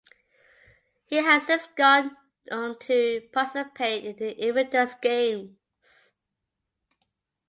He has since gone on to participate in the Invictus Games.